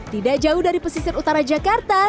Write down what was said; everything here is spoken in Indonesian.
tidak jauh dari pesisir utara jakarta